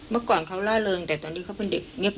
เมื่อก่อนเขาล่าเริงแต่ตอนนี้เขาเป็นเด็กเงียบ